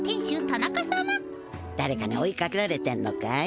だれかに追いかけられてんのかい？